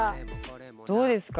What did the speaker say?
どうですか？